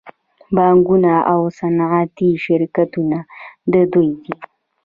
بانکونه او صنعتي شرکتونه د دوی دي